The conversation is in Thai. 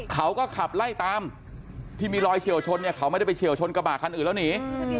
เขาก็ขับไล่ตามที่มีรอยเฉียวชนเนี่ยเขาไม่ได้ไปเฉียวชนกระบะคันอื่นแล้วหนี